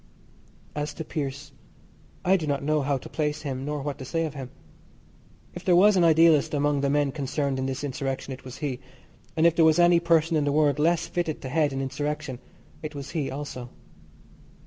As to Pearse, I do not know how to place him, nor what to say of him. If there was an idealist among the men concerned in this insurrection it was he, and if there was any person in the world less fitted to head an insurrection it was he also.